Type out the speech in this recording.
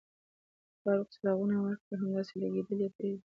فاروق، څراغونه مړه کړه، همداسې لګېدلي یې پرېږدئ.